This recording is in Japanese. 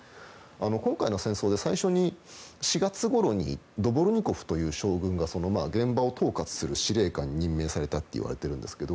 今回の戦争で最初に４月ごろにドボルニコフという将軍が現場を統括する司令官に任命されたといわれているんですけど